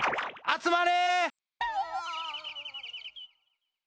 集まれ！